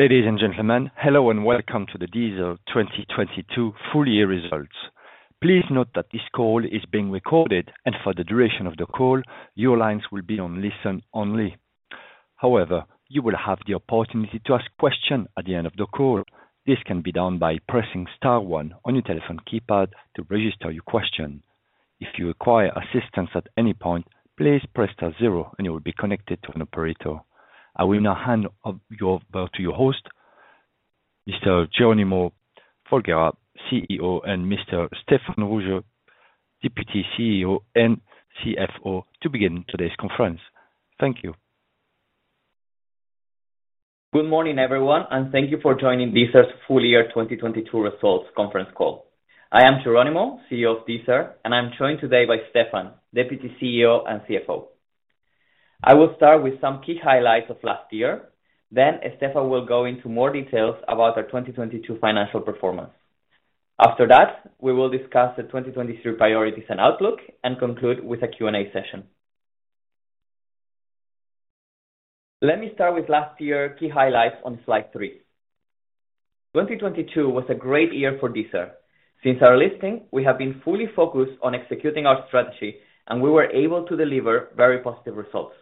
Ladies and gentlemen, hello and welcome to the Deezer 2022 Full Year Results. Please note that this call is being recorded and for the duration of the call, your lines will be on listen only. However, you will have the opportunity to ask question at the end of the call. This can be done by pressing Star one on your telephone keypad to register your question. If you require assistance at any point, please press Star zero and you will be connected to an operator. I will now hand of your over to your host, Mr. Jerónimo Folgueira, CEO, and Mr. Stéphane Rougeot, Deputy CEO and CFO, to begin today's conference. Thank you. Good morning, everyone, and thank you for joining Deezer's Full Year 2022 Results Conference Call. I am Jerónimo, CEO of Deezer, and I'm joined today by Stéphane, Deputy CEO and CFO. I will start with some key highlights of last year, then Stéphane will go into more details about our 2022 Financial Performance. After that, we will discuss the 2023 priorities and outlook and conclude with a Q&A session. Let me start with last year key highlights on slide three. 2022 was a great year for Deezer. Since our listing, we have been fully focused on executing our strategy, and we were able to deliver very positive results.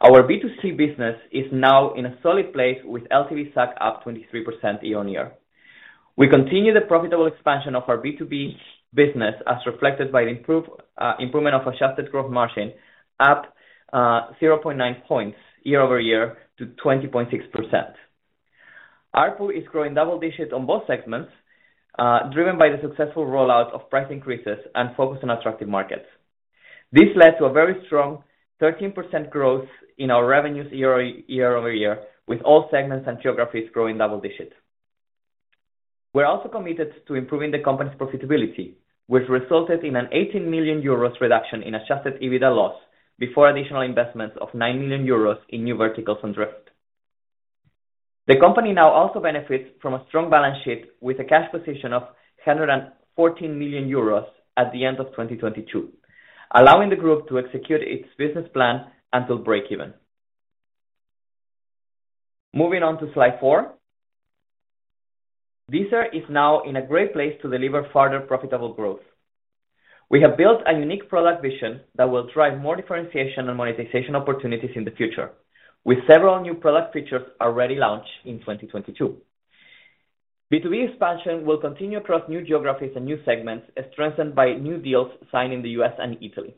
Our B2C business is now in a solid place with LTV/SAC up 23% year-on-year. We continue the profitable expansion of our B2B business as reflected by improvement of adjusted gross margin up 0.9 points year-over-year to 20.6%. ARPU is growing double digits on both segments, driven by the successful rollout of price increases and focus on attractive markets. This led to a very strong 13% growth in our revenues year-over-year with all segments and geographies growing double digits. We're also committed to improving the company's profitability, which resulted in an 18 million euros reduction in adjusted EBITDA loss before additional investments of 9 million euros in New Verticals on Driift. The company now also benefits from a strong balance sheet with a cash position of 114 million euros at the end of 2022, allowing the group to execute its business plan until break-even. Moving on to slide four. Deezer is now in a great place to deliver further profitable growth. We have built a unique product vision that will drive more differentiation and monetization opportunities in the future. With several new product features already launched in 2022. B2B expansion will continue across new geographies and new segments as strengthened by new deals signed in the US and Italy.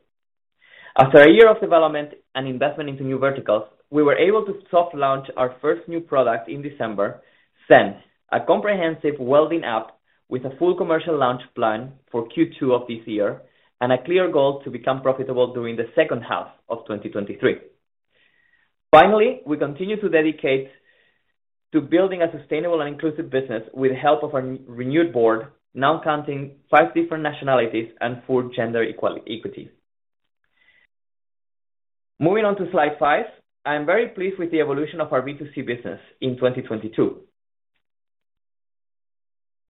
After a year of development and investment into New Verticals, we were able to soft launch our first new product in December, Zen, a comprehensive wellbeing app with a full commercial launch plan for Q2 of this year and a clear goal to become profitable during the second half of 2023. Finally, we continue to dedicate to building a sustainable and inclusive business with the help of a renewed board, now counting five different nationalities and four gender equities. Moving on to slide five. I am very pleased with the evolution of our B2C business in 2022.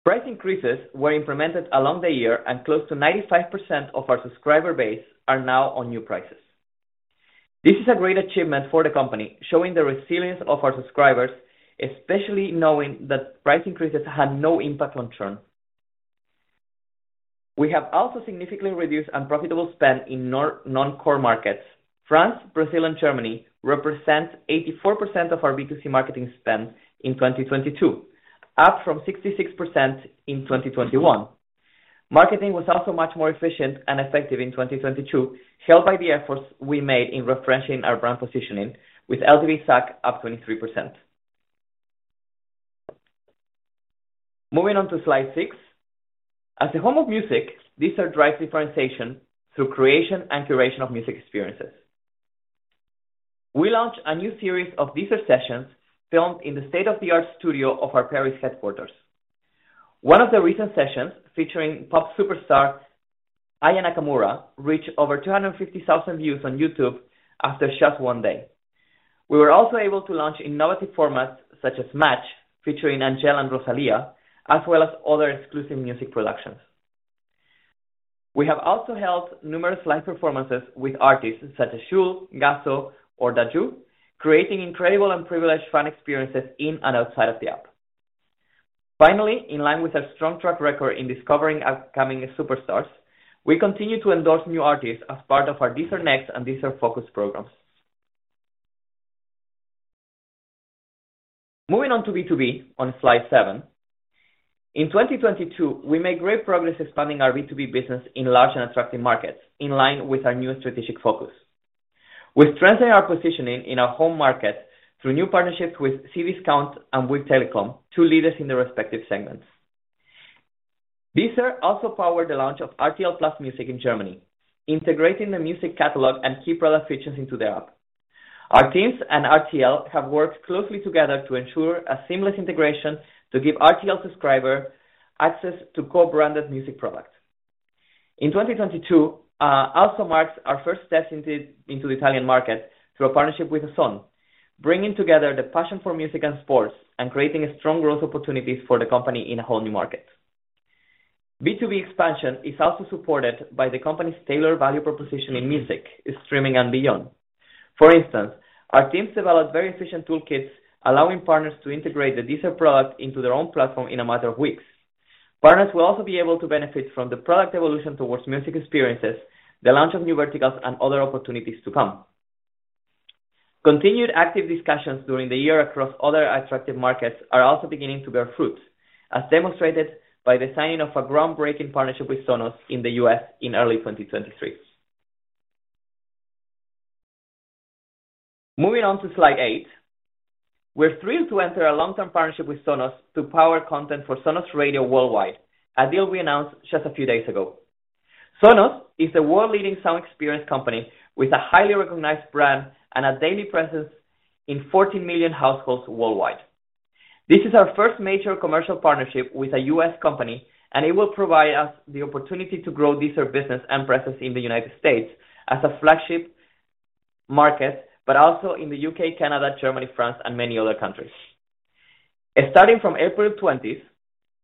Price increases were implemented along the year and close to 95% of our subscriber base are now on new prices. This is a great achievement for the company, showing the resilience of our subscribers, especially knowing that price increases had no impact on churn. We have also significantly reduced unprofitable spend in non-core markets. France, Brazil, and Germany represent 84% of our B2C marketing spend in 2022, up from 66% in 2021. Marketing was also much more efficient and effective in 2022, helped by the efforts we made in refreshing our brand positioning with LTV/SAC up 23%. Moving on to slide six. As the home of music, Deezer drives differentiation through creation and curation of music experiences. We launched a new series of Deezer Sessions filmed in the state-of-the-art studio of our Paris headquarters. One of the recent sessions featuring pop superstar Aya Nakamura, reached over 250,000 views on YouTube after just one day. We were also able to launch innovative formats such as Match, featuring Angèle and Rosalía, as well as other exclusive music productions. We have also held numerous live performances with artists such as SCH, Gazo, or Dadju, creating incredible and privileged fan experiences in and outside of the app. In line with our strong track record in discovering upcoming superstars, we continue to endorse new artists as part of our Deezer Next and Deezer Focus programs. Moving on to B2B on slide seven. In 2022, we made great progress expanding our B2B business in large and attractive markets in line with our new strategic focus. We've strengthened our positioning in our home market through new partnerships with Cdiscount and with telecom, two leaders in their respective segments. Deezer also powered the launch of RTL+ Musik in Germany, integrating the music catalog and key product features into the app. Our teams and RTL have worked closely together to ensure a seamless integration to give RTL subscriber access to co-branded music products. In 2022, also marks our first step into the Italian market through a partnership with DAZN, bringing together the passion for music and sports and creating a strong growth opportunities for the company in a whole new market. B2B expansion is also supported by the company's tailored value proposition in music, streaming and beyond. For instance, our teams developed very efficient toolkits, allowing partners to integrate the Deezer product into their own platform in a matter of weeks. Partners will also be able to benefit from the product evolution towards music experiences, the launch of New Verticals and other opportunities to come. Continued active discussions during the year across other attractive markets are also beginning to bear fruit, as demonstrated by the signing of a groundbreaking partnership with Sonos in the U.S. in early 2023. Moving on to slide eight. We're thrilled to enter a long-term partnership with Sonos to power content for Sonos Radio worldwide, a deal we announced just a few days ago. Sonos is the world's leading sound experience company with a highly recognized brand and a daily presence in 40 million households worldwide. This is our first major commercial partnership with a U.S. company. It will provide us the opportunity to grow Deezer business and presence in the United States as a flagship market, but also in the U.K., Canada, Germany, France and many other countries. Starting from April 20th,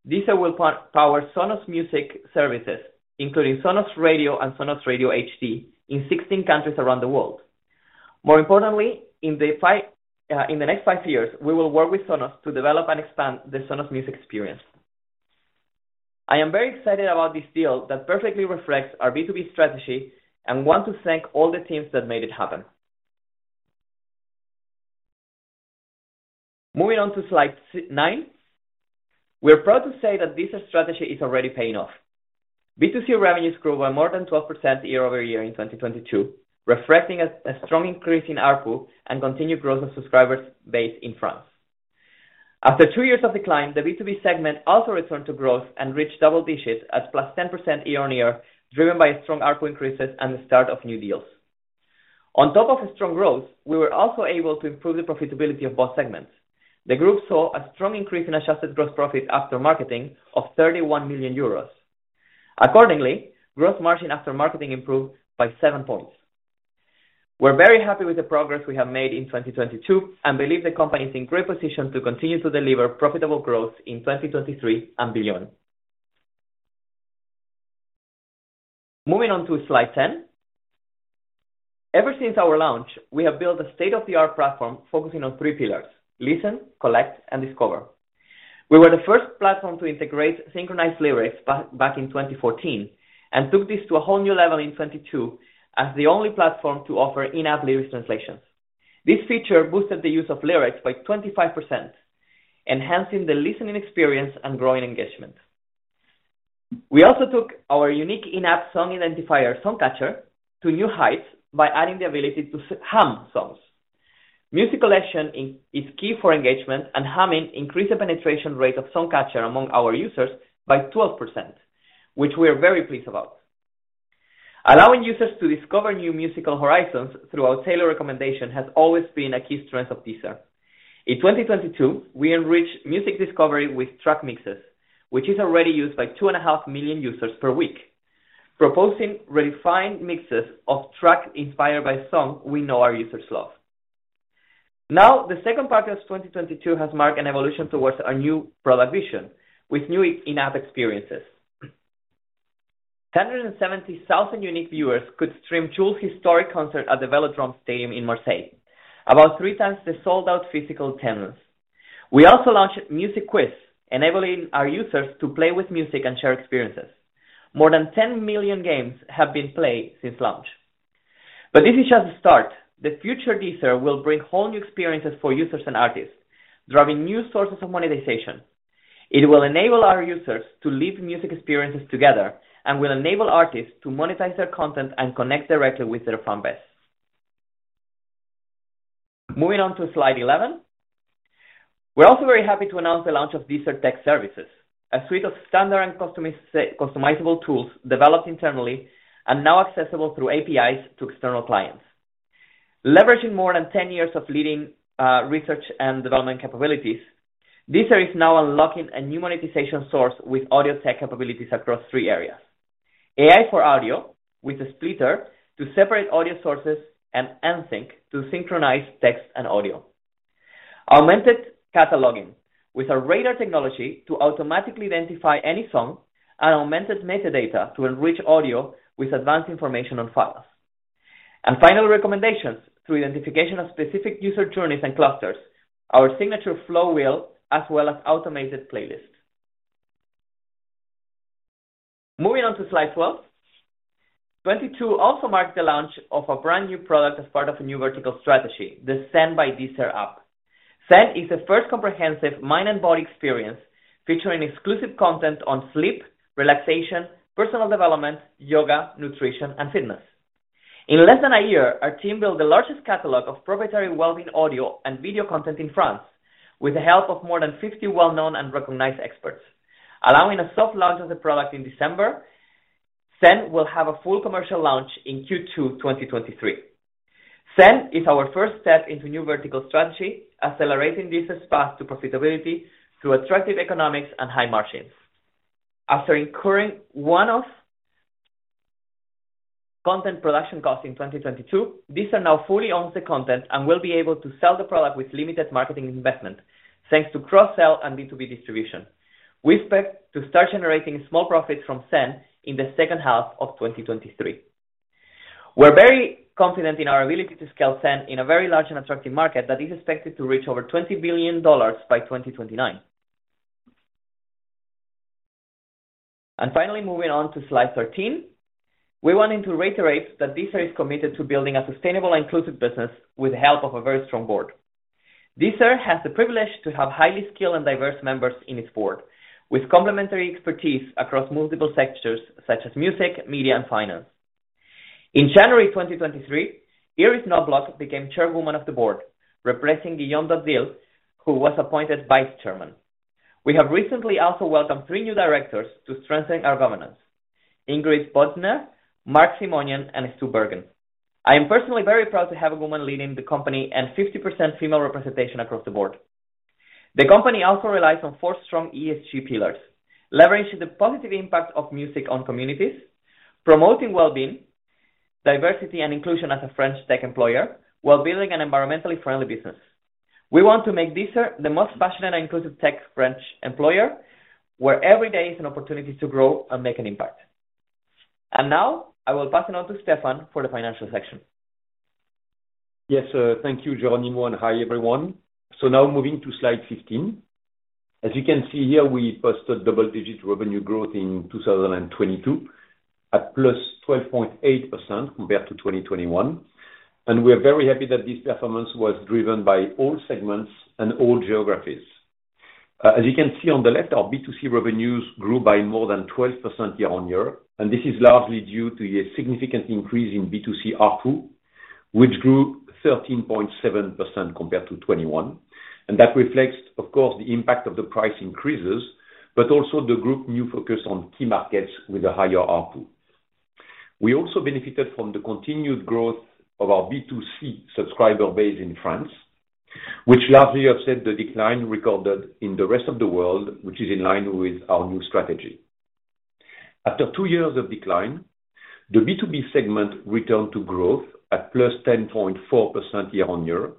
Deezer will power Sonos music services, including Sonos Radio and Sonos Radio HD in 16 countries around the world. More importantly, in the next five years, we will work with Sonos to develop and expand the Sonos music experience. I am very excited about this deal that perfectly reflects our B2B strategy and want to thank all the teams that made it happen. Moving on to slide nine. We are proud to say that Deezer strategy is already paying off. B2C revenues grew by more than 12% year-over-year in 2022, reflecting a strong increase in ARPU and continued growth of subscribers based in France. After two years of decline, the B2B segment also returned to growth and reached double digits at +10% year-on-year, driven by strong ARPU increases and the start of new deals. On top of strong growth, we were also able to improve the profitability of both segments. The group saw a strong increase in adjusted gross profit after marketing of 31 million euros. Gross margin after marketing improved by seven points. We're very happy with the progress we have made in 2022 and believe the company is in great position to continue to deliver profitable growth in 2023 and beyond. Moving on to slide 10. Ever since our launch, we have built a state-of-the-art platform focusing on three pillars: listen, collect, and discover. We were the first platform to integrate synchronized lyrics back in 2014, took this to a whole new level in 2022 as the only platform to offer in-app lyrics translations. This feature boosted the use of lyrics by 25%, enhancing the listening experience and growing engagement. We also took our unique in-app song identifier, SongCatcher, to new heights by adding the ability to hum songs. Music collection is key for engagement, humming increased the penetration rate of SongCatcher among our users by 12%, which we are very pleased about. Allowing users to discover new musical horizons through our tailored recommendation has always been a key strength of Deezer. In 2022, we enriched music discovery with track mixes, which is already used by 2.5 million users per week, proposing refined mixes of track inspired by song we know our users love. Now, the second part of 2022 has marked an evolution towards our new product vision with new in-app experiences. 170,000 unique viewers could stream Jul's historic concert at the Velodrome Stadium in Marseille, about three times the sold-out physical attendance. We also launched Music Quiz, enabling our users to play with music and share experiences. More than 10 million games have been played since launch. This is just the start. The future Deezer will bring whole new experiences for users and artists, driving new sources of monetization. It will enable our users to live music experiences together and will enable artists to monetize their content and connect directly with their fan base. Moving on to slide 11. We're also very happy to announce the launch of Deezer Tech Services, a suite of standard and customizable tools developed internally and now accessible through APIs to external clients. Leveraging more than 10 years of leading research and development capabilities, Deezer is now unlocking a new monetization source with audio tech capabilities across three areas. AI for audio with a splitter to separate audio sources and unsync, to synchronize text and audio. Augmented cataloging with a radar technology to automatically identify any song and augmented metadata to enrich audio with advanced information on files. Finally, recommendations through identification of specific user journeys and clusters, our signature Flow wheel as well as automated playlists. Moving on to slide 12. 2022 also marked the launch of a brand new product as part of a new vertical strategy, the Zen by Deezer app. Zen is the first comprehensive mind and body experience featuring exclusive content on sleep, relaxation, personal development, yoga, nutrition and fitness. In less than a year, our team built the largest catalog of proprietary wellbeing audio and video content in France with the help of more than 50 well-known and recognized experts. Allowing a soft launch of the product in December, Zen will have a full commercial launch in Q2 2023. Zen is our first step into new vertical strategy, accelerating Deezer's path to profitability through attractive economics and high margins. After incurring one-off content production cost in 2022. These are now fully owned the content and will be able to sell the product with limited marketing investment, thanks to cross-sell and B2B distribution. We expect to start generating small profits from Zen in the second half of 2023. We're very confident in our ability to scale Zen in a very large and attractive market that is expected to reach over $20 billion by 2029. Finally, moving on to slide 13. We wanting to reiterate that Deezer is committed to building a sustainable and inclusive business with the help of a very strong board. Deezer has the privilege to have highly skilled and diverse members in its board, with complementary expertise across multiple sectors such as music, media, and finance. In January 2023, Iris Knobloch became Chairwoman of the board, replacing Guillaume d'Hauteville, who was appointed Vice Chairman. We have recently also welcomed three new directors to strengthen our governance, Ingrid Bojner, Mark Simonian, and Stu Bergen. I am personally very proud to have a woman leading the company and 50% female representation across the board. The company also relies on four strong ESG pillars, leveraging the positive impact of music on communities, promoting well-being, diversity, and inclusion as a French tech employer while building an environmentally friendly business. We want to make Deezer the most passionate and inclusive tech French employer, where every day is an opportunity to grow and make an impact. Now I will pass it on to Stéphane for the financial section. Yes, thank you, Jeronimo, and hi, everyone. Now moving to slide 15. As you can see here, we posted double-digit revenue growth in 2022 at +12.8% compared to 2021. We are very happy that this performance was driven by all segments and all geographies. As you can see on the left, our B2C revenues grew by more than 12% year-on-year. This is largely due to a significant increase in B2C ARPU, which grew 13.7% compared to 2021. That reflects, of course, the impact of the price increases, but also the group new focus on key markets with a higher ARPU. We also benefited from the continued growth of our B2C subscriber base in France, which largely upset the decline recorded in the rest of the world, which is in line with our new strategy. After two years of decline, the B2B segment returned to growth at +10.4% year-on-year,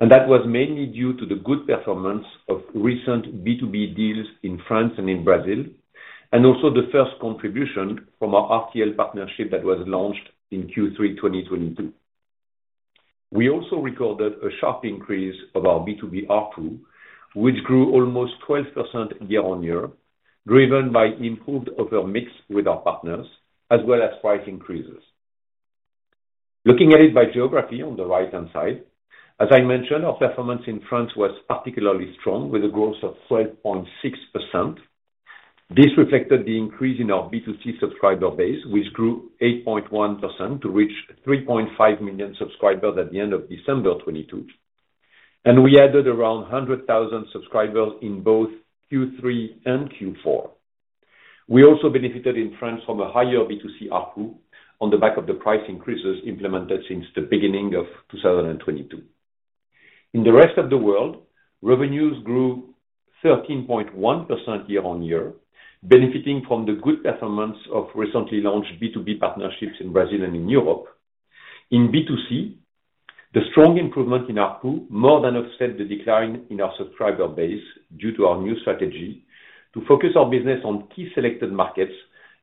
and that was mainly due to the good performance of recent B2B deals in France and in Brazil, and also the first contribution from our RTL partnership that was launched in Q3 2022. We also recorded a sharp increase of our B2B ARPU, which grew almost 12% year-on-year, driven by improved overall mix with our partners as well as price increases. Looking at it by geography on the right-hand side, as I mentioned, our performance in France was particularly strong with a growth of 12.6%. This reflected the increase in our B2C subscriber base, which grew 8.1% to reach 3.5 million subscribers at the end of December 2022, and we added around 100,000 subscribers in both Q3 and Q4. We also benefited in France from a higher B2C ARPU on the back of the price increases implemented since the beginning of 2022. In the rest of the world, revenues grew 13.1% year-on-year, benefiting from the good performance of recently launched B2B partnerships in Brazil and in Europe. In B2C, the strong improvement in ARPU more than offset the decline in our subscriber base due to our new strategy to focus our business on key selected markets,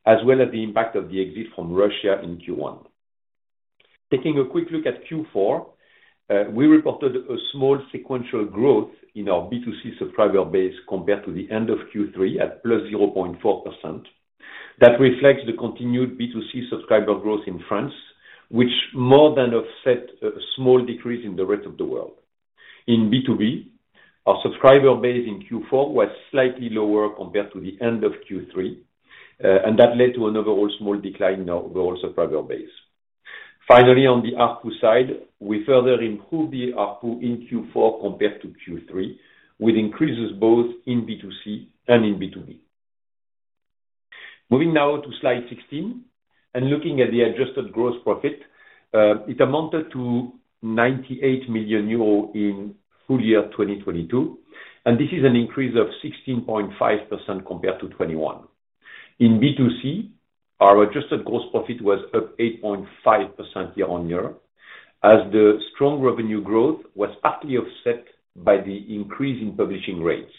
as well as the impact of the exit from Russia in Q1. Taking a quick look at Q4, we reported a small sequential growth in our B2C subscriber base compared to the end of Q3 at +0.4%. That reflects the continued B2C subscriber growth in France, which more than offset a small decrease in the rest of the world. In B2B, our subscriber base in Q4 was slightly lower compared to the end of Q3, and that led to an overall small decline in our overall subscriber base. Finally, on the ARPU side, we further improved the ARPU in Q4 compared to Q3, with increases both in B2C and in B2B. Moving now to slide 16 and looking at the adjusted gross profit, it amounted to 98 million euros in full year 2022, and this is an increase of 16.5% compared to 2021. In B2C, our adjusted gross profit was up 8.5% year-on-year as the strong revenue growth was partly offset by the increase in publishing rates.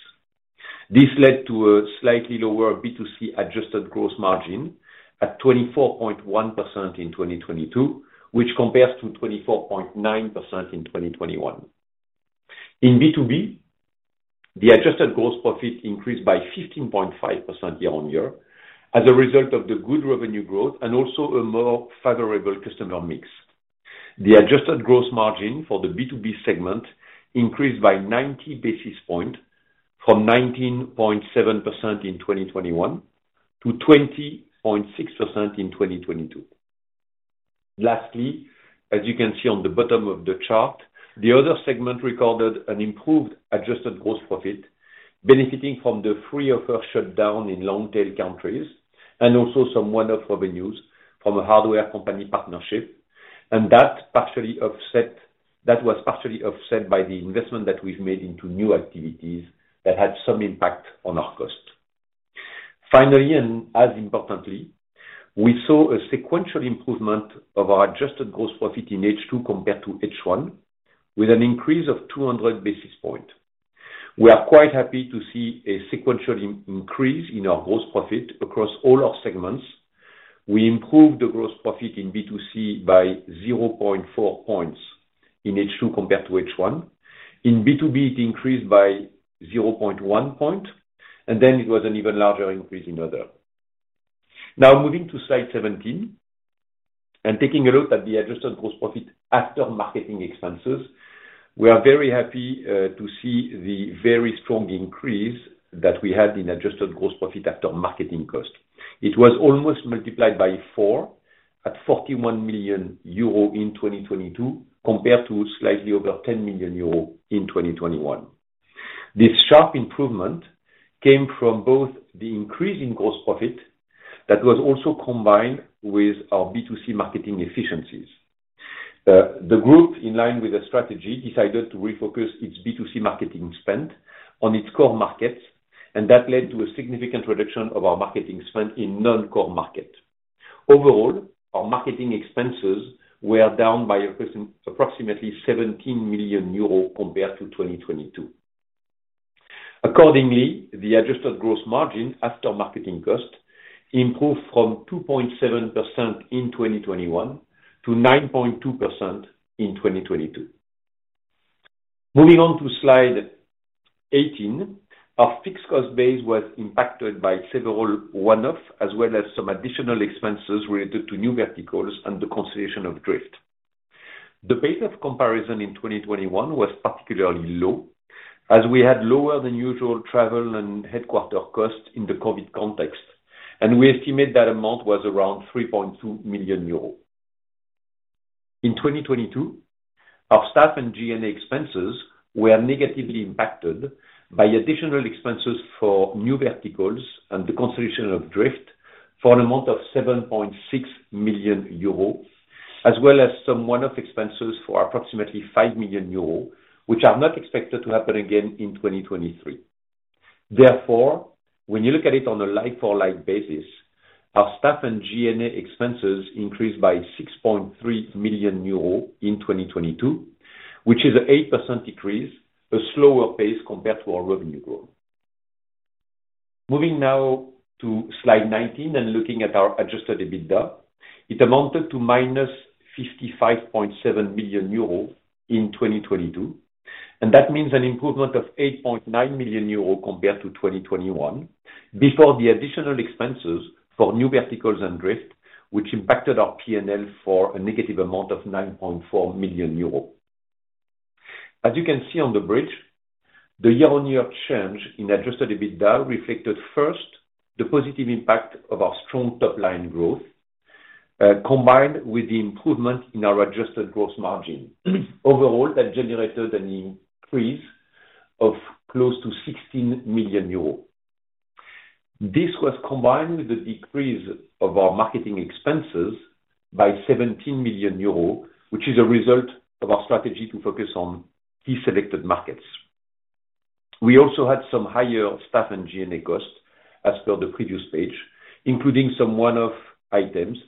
This led to a slightly lower B2C adjusted gross margin at 24.1% in 2022, which compares to 24.9% in 2021. In B2B, the adjusted gross profit increased by 15.5% year-on-year as a result of the good revenue growth and also a more favorable customer mix. The adjusted gross margin for the B2B segment increased by 90 basis points from 19.7% in 2021 to 20.6% in 2022. Lastly, as you can see on the bottom of the chart, the other segment recorded an improved adjusted gross profit, benefiting from the free offer shutdown in long-tail countries and also some one-off revenues from a hardware company partnership. That was partially offset by the investment that we've made into new activities that had some impact on our cost. Finally, and as importantly, we saw a sequential improvement of our adjusted gross profit in H2 compared to H1, with an increase of 200 basis points. We are quite happy to see a sequential increase in our gross profit across all our segments. We improved the gross profit in B2C by 0.4 points in H2 compared to H1. In B2B, it increased by 0.1 point. It was an even larger increase in other. Moving to slide 17 and taking a look at the adjusted gross profit after marketing expenses. We are very happy to see the very strong increase that we had in adjusted gross profit after marketing cost. It was almost multiplied by four at 41 million euro in 2022 compared to slightly over 10 million euro in 2021. This sharp improvement came from both the increase in gross profit that was also combined with our B2C marketing efficiencies. The group, in line with the strategy, decided to refocus its B2C marketing spend on its core markets, and that led to a significant reduction of our marketing spend in non-core market. Our marketing expenses were down by approximately 17 million euros compared to 2022. Accordingly, the adjusted gross margin after marketing cost improved from 2.7% in 2021 to 9.2% in 2022. Moving on to slide 18. Our fixed cost base was impacted by several one-off as well as some additional expenses related to New Verticals and the consolidation of Driift. The base of comparison in 2021 was particularly low as we had lower than usual travel and headquarter costs in the COVID context, and we estimate that amount was around 3.2 million euros. In 2022, our staff and G&A expenses were negatively impacted by additional expenses for New Verticals and the consolidation of Driift for an amount of 7.6 million euros, as well as some one-off expenses for approximately 5 million euros, which are not expected to happen again in 2023. When you look at it on a like-for-like basis, our staff and G&A expenses increased by 6.3 million euros in 2022, which is an 8% decrease, a slower pace compared to our revenue growth. Moving now to slide 19 and looking at our adjusted EBITDA. It amounted to -55.7 million euros in 2022, and that means an improvement of 8.9 million euros compared to 2021, before the additional expenses for New Verticals and Driift, which impacted our P&L for a negative amount of 9.4 million euros. As you can see on the bridge, the year-on-year change in adjusted EBITDA reflected first the positive impact of our strong top-line growth, combined with the improvement in our adjusted gross margin. Overall, that generated an increase of close to 16 million euros. This was combined with the decrease of our marketing expenses by 17 million euros, which is a result of our strategy to focus on key selected markets. We also had some higher staff and G&A costs as per the previous page, including some one-off items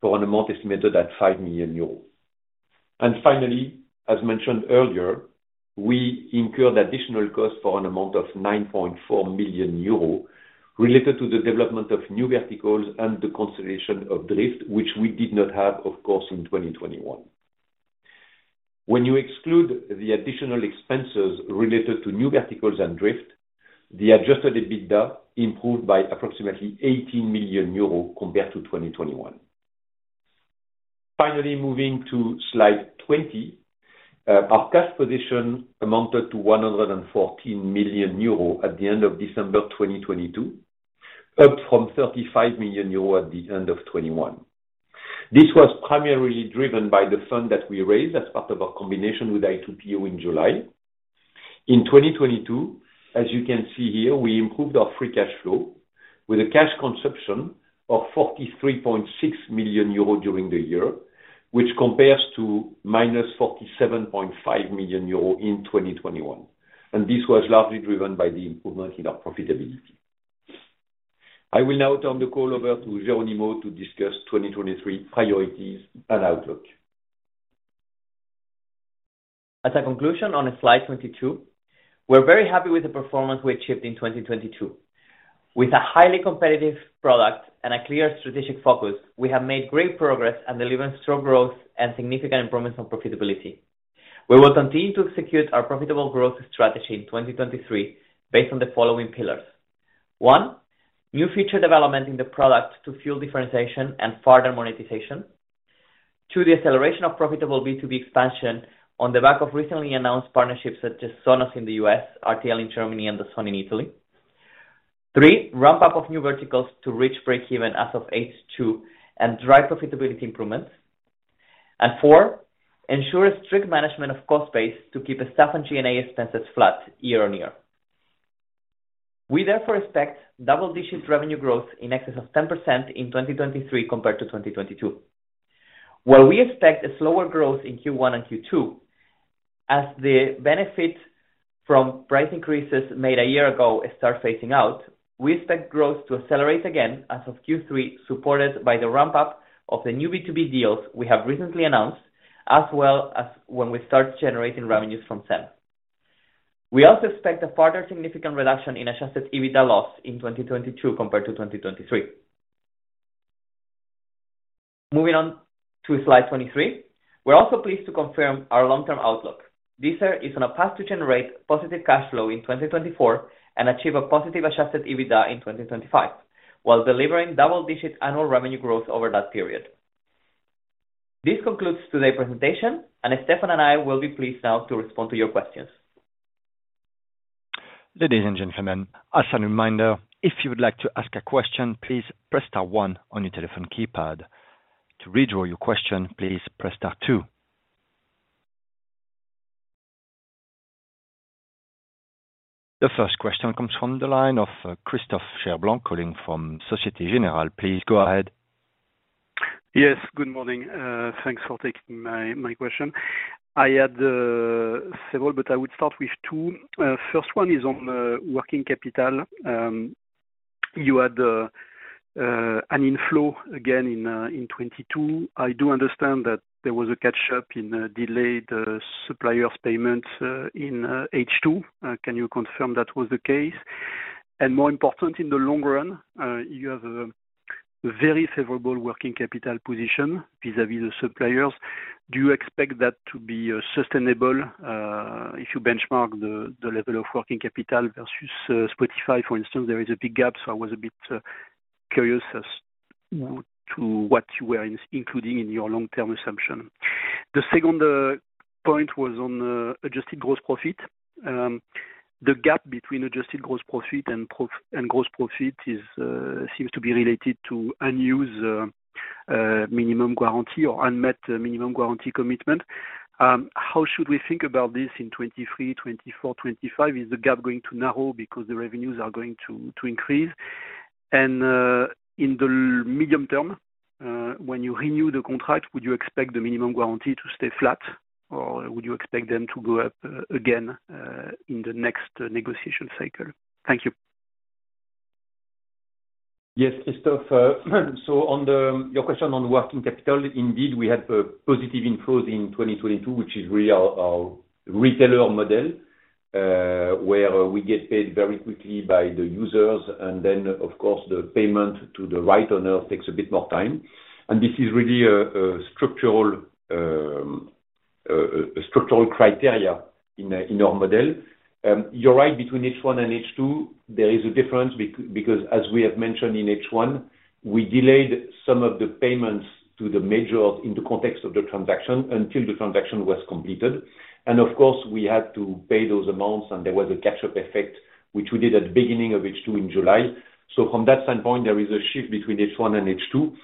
for an amount estimated at 5 million euros. Finally, as mentioned earlier, we incurred additional costs for an amount of 9.4 million euros related to the development of New Verticals and the consolidation of Driift, which we did not have, of course, in 2021. When you exclude the additional expenses related to New Verticals and Driift, the adjusted EBITDA improved by approximately 18 million euros compared to 2021. Finally, moving to slide 20. Our cash position amounted to 114 million euros at the end of December 2022, up from 35 million euros at the end of 2021. This was primarily driven by the fund that we raised as part of our combination with I2PO in July. In 2022, as you can see here, we improved our free cash flow with a cash consumption of 43.6 million euros during the year, which compares to minus 47.5 million euros in 2021. This was largely driven by the improvement in our profitability. I will now turn the call over to Jerónimo to discuss 2023 priorities and outlook. As a conclusion on slide 22, we're very happy with the performance we achieved in 2022. With a highly competitive product and a clear strategic focus, we have made great progress and delivered strong growth and significant improvements on profitability. We will continue to execute our profitable growth strategy in 2023 based on the following pillars. One, new feature development in the product to fuel differentiation and further monetization. Two, the acceleration of profitable B2B expansion on the back of recently announced partnerships such as Sonos in the US, RTL in Germany, and Dassault in Italy. Three, ramp up of New Verticals to reach breakeven as of H2 and drive profitability improvements. Four, ensure strict management of cost base to keep staff and G&A expenses flat year-on-year. We expect double-digit revenue growth in excess of 10% in 2023 compared to 2022. Well, we expect a slower growth in Q1 and Q2 as the benefit from price increases made a year ago start phasing out. We expect growth to accelerate again as of Q3, supported by the ramp up of the new B2B deals we have recently announced, as well as when we start generating revenues from SEND. We also expect a further significant reduction in adjusted EBITDA loss in 2022 compared to 2023. Moving on to slide 23. We're also pleased to confirm our long-term outlook. Deezer is on a path to generate positive free cash flow in 2024 and achieve a positive adjusted EBITDA in 2025, while delivering double-digit annual revenue growth over that period. This concludes today's presentation and Stéphane and I will be pleased now to respond to your questions. Ladies and gentlemen, as a reminder, if you would like to ask a question, please press Star one on your telephone keypad. To redraw your question, please press Star two. The first question comes from the line of Christophe Cherblanc calling from Société Générale. Please go ahead. Yes, good morning. Thanks for taking my question. I had several. I would start with 2. First one is on working capital. You had an inflow again in 2022. I do understand that there was a catch up in delayed supplier payments in H2. Can you confirm that was the case? More important, in the long run, you have a very favorable working capital position vis-a-vis the suppliers. Do you expect that to be sustainable? If you benchmark the level of working capital versus Spotify, for instance, there is a big gap. I was a bit curious as to what you were including in your long term assumption. The second point was on adjusted gross profit. The gap between adjusted gross profit and gross profit is seems to be related to unused minimum guarantee or unmet minimum guarantee commitment. How should we think about this in 2023, 2024, 2025? Is the gap going to narrow because the revenues are going to increase? In the medium term, when you renew the contract, would you expect the minimum guarantee to stay flat, or would you expect them to go up again in the next negotiation cycle? Thank you. Yes, Christophe. On your question on working capital, indeed, we had a positive inflows in 2022, which is really our retailer model, where we get paid very quickly by the users. Then of course, the payment to the right owner takes a bit more time. This is really a structural criteria in our model. You're right between H1 and H2, there is a difference because as we have mentioned in H1, we delayed some of the payments to the major in the context of the transaction until the transaction was completed. Of course, we had to pay those amounts and there was a catch up effect, which we did at the beginning of H2 in July. From that standpoint, there is a shift between H1 and H2.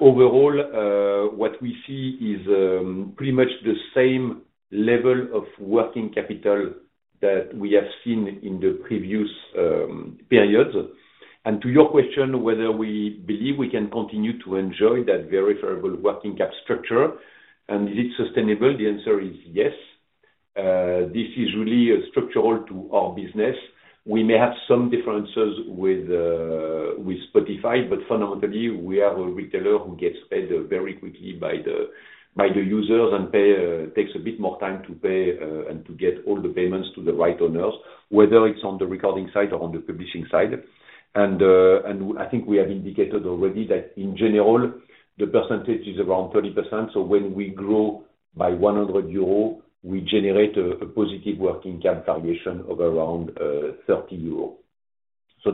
Overall, what we see is pretty much the same level of working capital that we have seen in the previous periods. To your question, whether we believe we can continue to enjoy that very favorable working cap structure, and is it sustainable? The answer is yes. This is really structural to our business. We may have some differences with Spotify, but fundamentally, we are a retailer who gets paid very quickly by the users and pay takes a bit more time to pay and to get all the payments to the right owners, whether it's on the recording side or on the publishing side. I think we have indicated already that in general, the percentage is around 30%. When we grow by 100 euro, we generate a positive working cap variation of around 30 euro.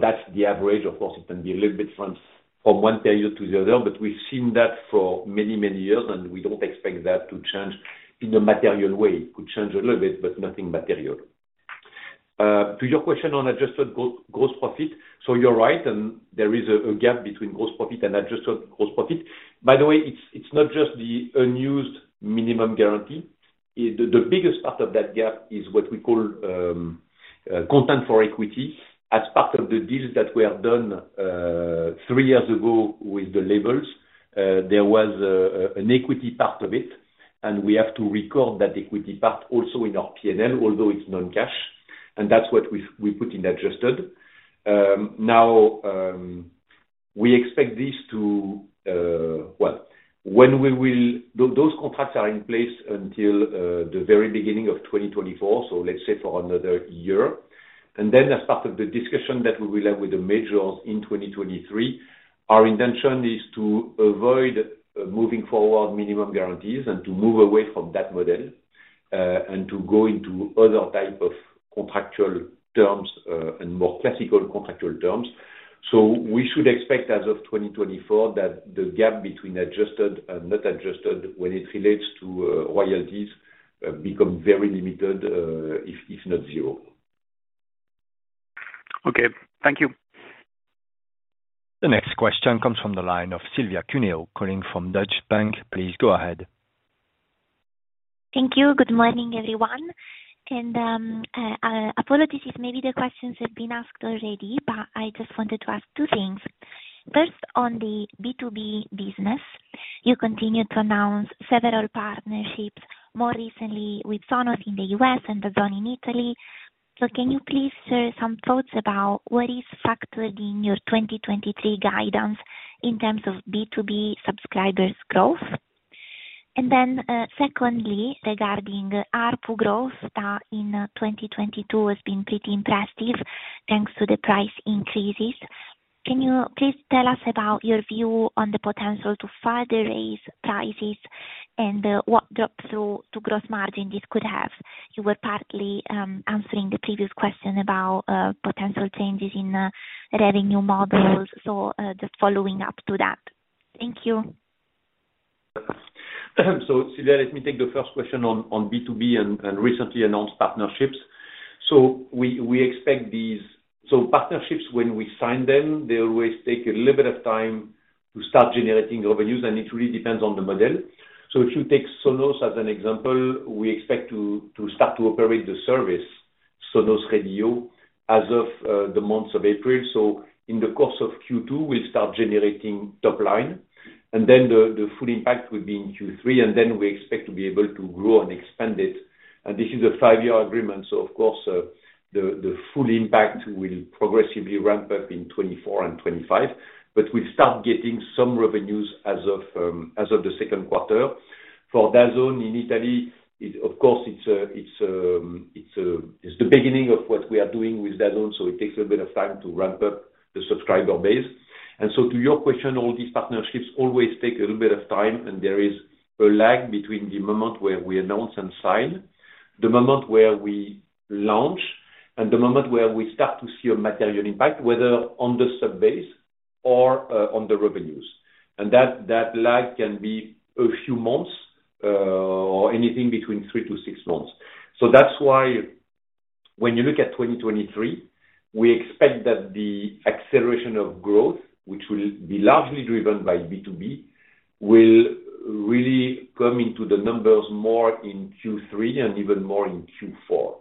That's the average. It can be a little bit from one period to the other, but we've seen that for many, many years, and we don't expect that to change in a material way. It could change a little bit, but nothing material. To your question on adjusted gross profit. You're right. There is a gap between gross profit and adjusted gross profit. By the way, it's not just the unused minimum guarantee. The biggest part of that gap is what we call content for equity. As part of the deals that we have done, three years ago with the labels, there was an equity part of it, and we have to record that equity part also in our PNL, although it's non-cash. That's what we put in adjusted. Now, those contracts are in place until the very beginning of 2024. Let's say for another year. As part of the discussion that we will have with the majors in 2023, our intention is to avoid moving forward minimum guarantees and to move away from that model, and to go into other type of contractual terms, and more classical contractual terms. We should expect as of 2024 that the gap between adjusted and not adjusted when it relates to royalties become very limited if not zero. Okay. Thank you. The next question comes from the line of Silvia Cuneo calling from Deutsche Bank. Please go ahead. Thank you. Good morning, everyone. Apologies if maybe the questions have been asked already, but I just wanted to ask two things. First, on the B2B business, you continue to announce several partnerships more recently with Sonos in the U.S. and DAZN in Italy. Can you please share some thoughts about what is factored in your 2023 guidance in terms of B2B subscribers growth? Secondly, regarding ARPU growth in 2022 has been pretty impressive thanks to the price increases. Can you please tell us about your view on the potential to further raise prices and what drop through to gross margin this could have? You were partly answering the previous question about potential changes in revenue models. Just following up to that. Thank you. Let me take the first question on B2B and recently announced partnerships. Partnerships, when we sign them, they always take a little bit of time to start generating revenues, and it really depends on the model. If you take Sonos as an example, we expect to start to operate the service, Sonos Radio, as of the months of April. In the course of Q2, we'll start generating top line, and then the full impact will be in Q3, and then we expect to be able to grow and expand it. This is a five-year agreement, so of course, the full impact will progressively ramp up in 2024 and 2025. We'll start getting some revenues as of the Q2. For DAZN in Italy, it of course it's a, it's a, it's the beginning of what we are doing with DAZN, so it takes a bit of time to ramp up the subscriber base. To your question, all these partnerships always take a little bit of time, and there is a lag between the moment where we announce and sign, the moment where we launch, and the moment where we start to see a material impact, whether on the sub base or on the revenues. That, that lag can be a few months, or anything between three to six months. That's why when you look at 2023, we expect that the acceleration of growth, which will be largely driven by B2B, will really come into the numbers more in Q3 and even more in Q4.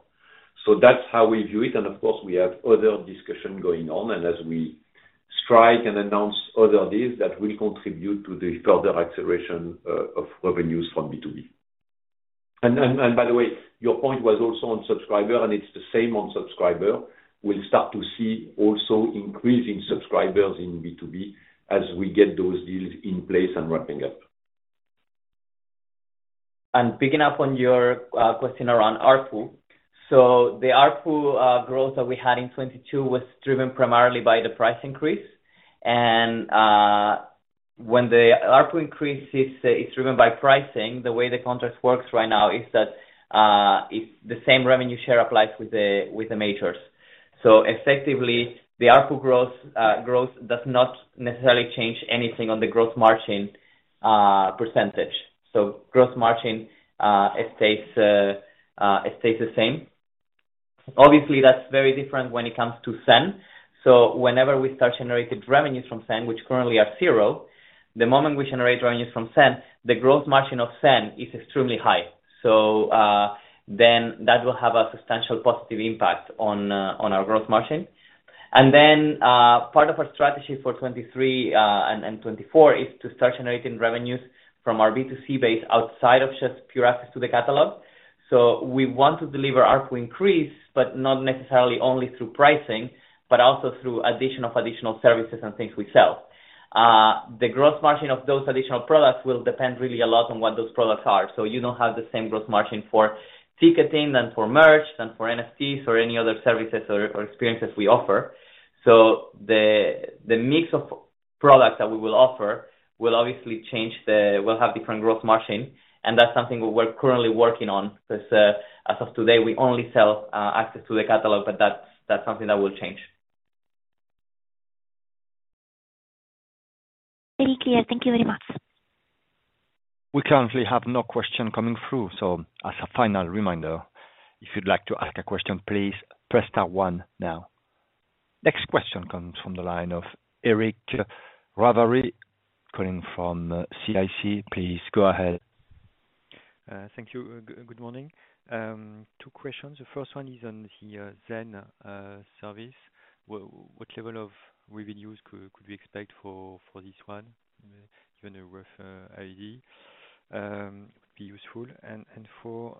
That's how we view it. Of course, we have other discussion going on. As we strike and announce other deals, that will contribute to the further acceleration of revenues from B2B. By the way, your point was also on subscriber, and it's the same on subscriber. We'll start to see also increasing subscribers in B2B as we get those deals in place and ramping up. Picking up on your question around ARPU. The ARPU growth that we had in 22 was driven primarily by the price increase. When the ARPU increase is driven by pricing, the way the contract works right now is that it's the same revenue share applies with the majors. Effectively, the ARPU growth does not necessarily change anything on the growth margin %. Growth margin, it stays the same. Obviously, that's very different when it comes to Zen. Whenever we start generating revenues from Zen, which currently are 0, the moment we generate revenues from Zen, the growth margin of Zen is extremely high. Then that will have a substantial positive impact on our growth margin. Part of our strategy for 2023 and 2024 is to start generating revenues from our B2C base outside of just pure access to the catalog. We want to deliver ARPU increase, but not necessarily only through pricing, but also through addition of additional services and things we sell. The growth margin of those additional products will depend really a lot on what those products are. You don't have the same growth margin for ticketing, then for merch, then for NFTs or any other services or experiences we offer. The mix of products that we will offer will obviously have different growth margin, and that's something we're currently working on 'cause as of today, we only sell access to the catalog, but that's something that will change. Very clear. Thank you very much. We currently have no question coming through. As a final reminder, if you'd like to ask a question, please press Star one now. Next question comes from the line of Eric Ravary, calling from CIC. Please go ahead. Thank you. Good morning. Two questions. The first one is on the Zen service. What level of revenues could we expect for this one? Even a rough idea would be useful. For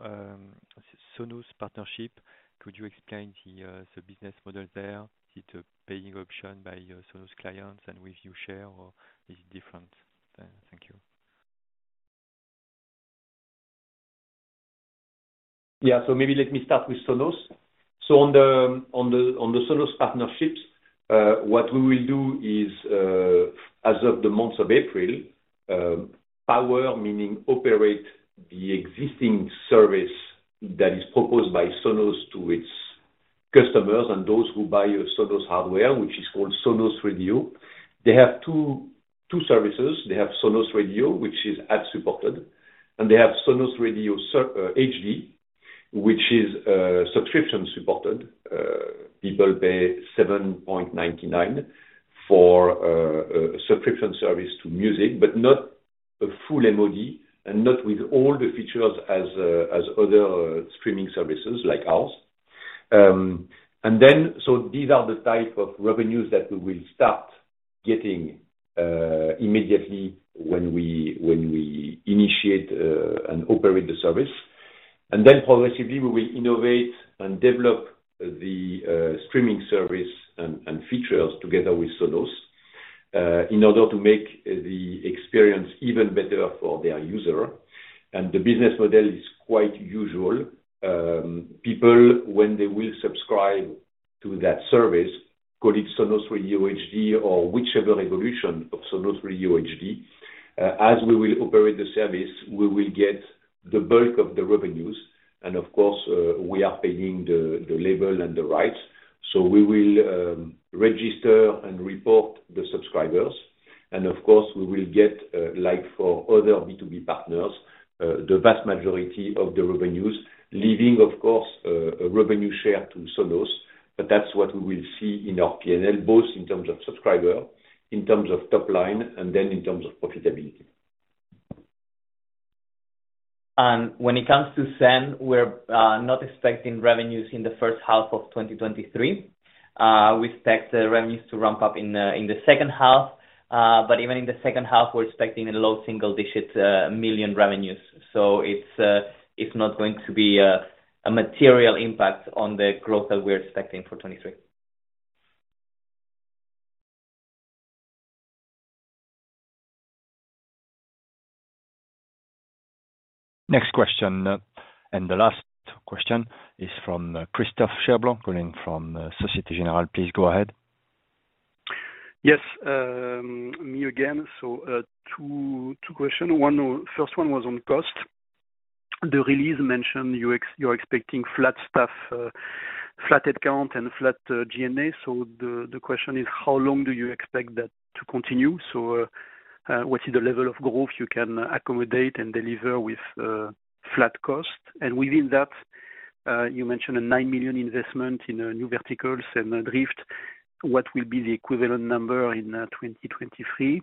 Sonos partnership, could you explain the business model there? Is it a paying option by your Sonos clients and with you share, or is it different? Thank you. Maybe let me start with Sonos. On the Sonos partnerships, what we will do is, as of the month of April, power, meaning operate the existing service that is proposed by Sonos to its customers and those who buy a Sonos hardware, which is called Sonos Radio. They have two services. They have Sonos Radio, which is ad-supported, and they have Sonos Radio HD, which is subscription supported. People pay 7.99 for a subscription service to music, but not a full MOD and not with all the features as other streaming services like ours. These are the type of revenues that we will start getting immediately when we initiate and operate the service. Progressively, we will innovate and develop the streaming service and features together with Sonos in order to make the experience even better for their user. The business model is quite usual. People when they will subscribe to that service, call it Sonos Radio HD or whichever evolution of Sonos Radio HD. As we will operate the service, we will get the bulk of the revenues. Of course, we are paying the label and the rights. We will register and report the subscribers. Of course, we will get like for other B2B partners, the vast majority of the revenues, leaving, of course, revenue share to Sonos. That's what we will see in our PNL, both in terms of subscriber, in terms of top line and then in terms of profitability. When it comes to Zen, we're not expecting revenues in the first half of 2023. We expect the revenues to ramp up in the second half. But even in the second half, we're expecting a low single digits million revenues. It's not going to be a material impact on the growth that we're expecting for 2023. Next question, and the last question is from Christophe Cherblanc calling from Société Générale. Please go ahead. Yes, me again. Two questions. First one was on cost. The release mentioned you're expecting flat staff, flat account and flat GNA. The question is how long do you expect that to continue? What is the level of growth you can accommodate and deliver with flat cost? Within that, you mentioned a 9 million investment in New Verticals and Driift. What will be the equivalent number in 2023?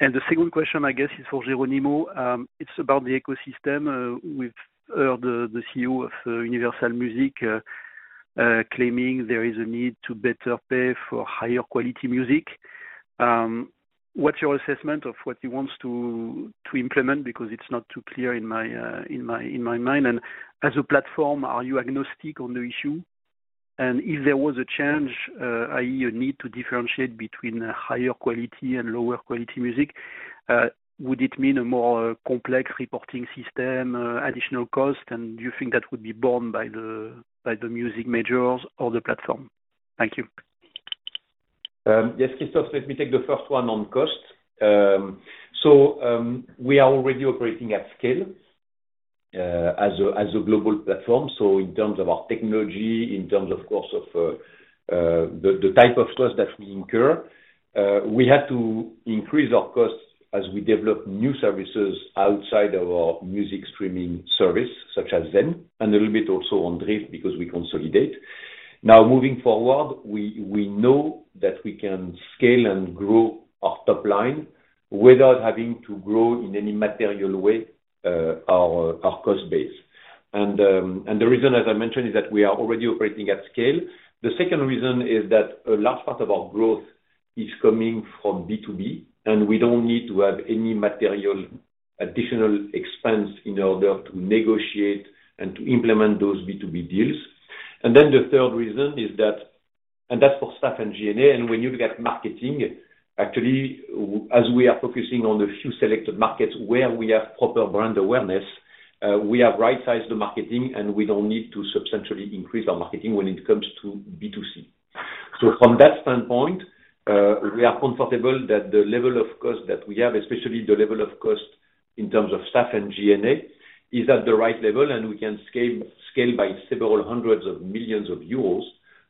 The second question, I guess, is for Jerónimo. It's about the ecosystem. We've heard the CEO of Universal Music claiming there is a need to better pay for higher quality music. What's your assessment of what he wants to implement? Because it's not too clear in my mind. As a platform, are you agnostic on the issue? If there was a change, i.e., a need to differentiate between higher quality and lower quality music, would it mean a more complex reporting system, additional cost? Do you think that would be borne by the music majors or the platform? Thank you. Yes, Christophe, let me take the first one on cost. We are already operating at scale as a global platform. In terms of our technology, in terms of course of the type of costs that we incur, we had to increase our costs as we develop new services outside of our music streaming service, such as Zen, and a little bit also on Driift because we consolidate. Now moving forward, we know that we can scale and grow our top line without having to grow in any material way our cost base. The reason, as I mentioned, is that we are already operating at scale. The second reason is that a large part of our growth is coming from B2B, and we don't need to have any material additional expense in order to negotiate and to implement those B2B deals. The third reason is that, and that's for staff and GNA, and when you look at marketing, actually, as we are focusing on the few selected markets where we have proper brand awareness, we have right-sized the marketing, and we don't need to substantially increase our marketing when it comes to B2C. From that standpoint, we are comfortable that the level of cost that we have, especially the level of cost in terms of staff and GNA, is at the right level, and we can scale by several hundreds of millions of EUR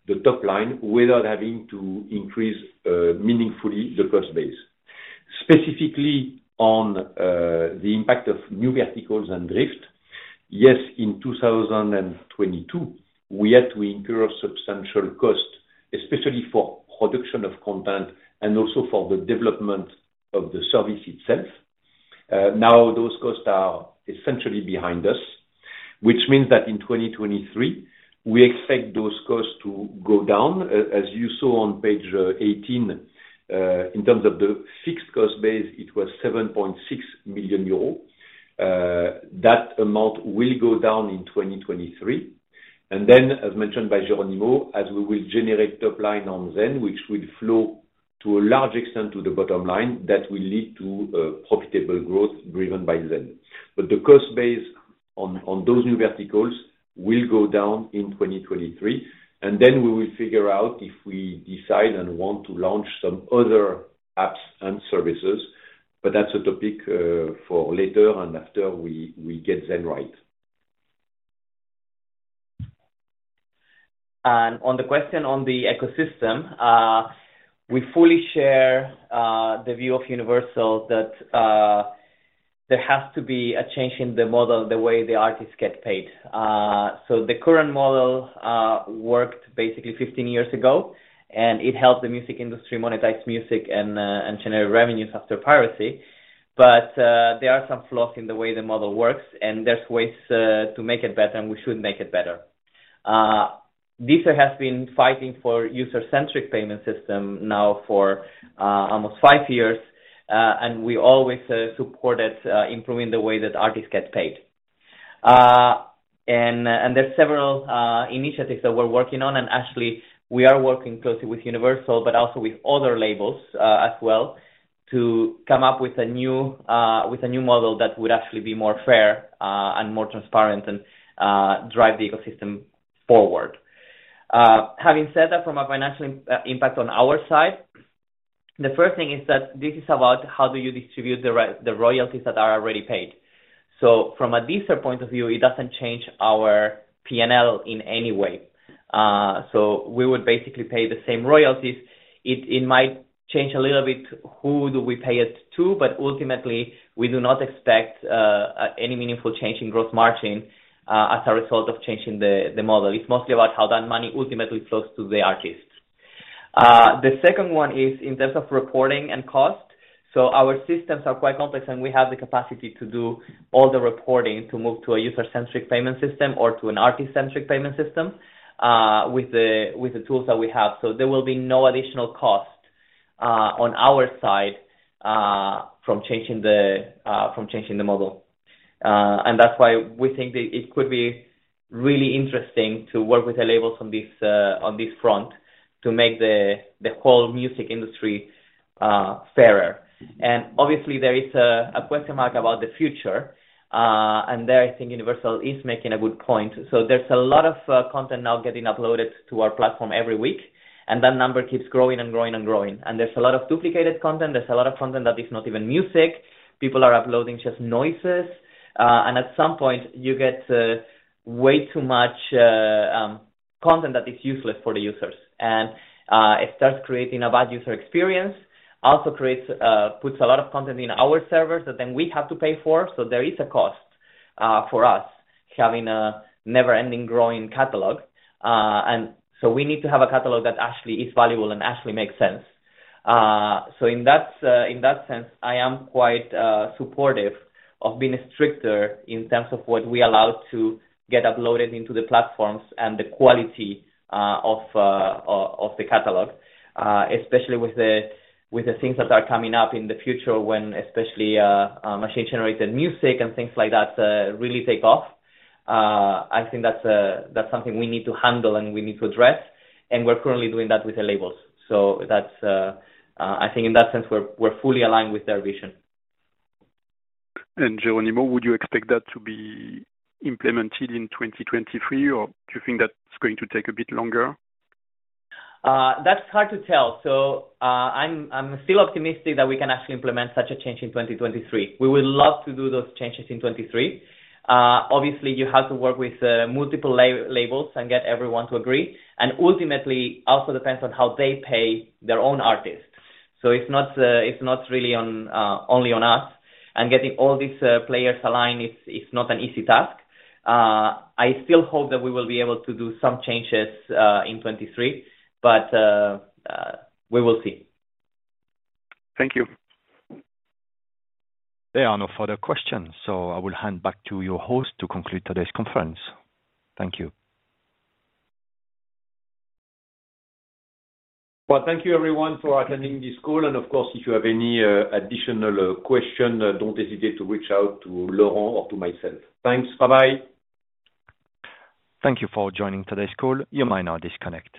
the top line without having to increase meaningfully the cost base. Specifically on the impact of New Verticals and Driift. Yes, in 2022, we had to incur substantial cost, especially for production of content and also for the development of the service itself. Now those costs are essentially behind us, which means that in 2023, we expect those costs to go down. As you saw on page 18 in terms of the fixed cost base, it was 7.6 million euros. That amount will go down in 2023. As mentioned by Jerónimo, as we will generate top line on Zen, which will flow to a large extent to the bottom line, that will lead to profitable growth driven by Zen. The cost base on those New Verticals will go down in 2023, then we will figure out if we decide and want to launch some other apps and services. That's a topic for later and after we get Zen right. On the question on the ecosystem, we fully share the view of Universal that there has to be a change in the model, the way the artists get paid. The current model worked basically 15 years ago, and it helped the music industry monetize music and generate revenues after piracy. There are some flaws in the way the model works, and there's ways to make it better, and we should make it better. Deezer has been fighting for user-centric payment system now for almost five years. We always supported improving the way that artists get paid. There's several initiatives that we're working on, and actually we are working closely with Universal, but also with other labels as well, to come up with a new with a new model that would actually be more fair and more transparent and drive the ecosystem forward. Having said that, from a financial impact on our side, the first thing is that this is about how do you distribute the royalties that are already paid. From a Deezer point of view, it doesn't change our PNL in any way. We would basically pay the same royalties. It might change a little bit who do we pay it to, but ultimately we do not expect any meaningful change in growth margin as a result of changing the model. It's mostly about how that money ultimately flows to the artists. The second one is in terms of reporting and cost. Our systems are quite complex, and we have the capacity to do all the reporting to move to a user-centric payment system or to an artist-centric payment system with the tools that we have. There will be no additional cost on our side from changing the model. That's why we think that it could be really interesting to work with the labels on this on this front to make the whole music industry fairer. Obviously there is a question mark about the future. There, I think Universal is making a good point. There's a lot of content now getting uploaded to our platform every week, and that number keeps growing and growing and growing. There's a lot of duplicated content. There's a lot of content that is not even music. People are uploading just noises. At some point, you get way too much content that is useless for the users. It starts creating a bad user experience, also creates, puts a lot of content in our servers that then we have to pay for. There is a cost for us having a never-ending growing catalog. We need to have a catalog that actually is valuable and actually makes sense. In that sense, I am quite supportive of being stricter in terms of what we allow to get uploaded into the platforms and the quality of the catalog, especially with the things that are coming up in the future when especially machine-generated music and things like that really take off. I think that's something we need to handle and we need to address, and we're currently doing that with the labels. That's, I think in that sense, we're fully aligned with their vision. Jerónimo, would you expect that to be implemented in 2023 or do you think that's going to take a bit longer? That's hard to tell. I'm still optimistic that we can actually implement such a change in 2023. We would love to do those changes in 2023. Obviously, you have to work with multiple labels and get everyone to agree, and ultimately also depends on how they pay their own artists. It's not really only on us. Getting all these players aligned is not an easy task. I still hope that we will be able to do some changes in 2023, but we will see. Thank you. There are no further questions. I will hand back to your host to conclude today's conference. Thank you. Well, thank you everyone for attending this call. Of course, if you have any additional question, don't hesitate to reach out to Laurène or to myself. Thanks. Bye-bye. Thank you for joining today's call. You may now disconnect.